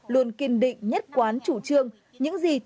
luôn kiên định nhất quán chủ trương